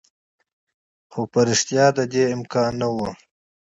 خو په واقعیت کې د دې امکان نه و.